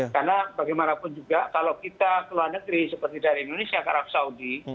karena bagaimanapun juga kalau kita ke luar negeri seperti dari indonesia ke arab saudi